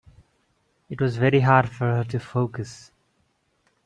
It was very hard for her to focus.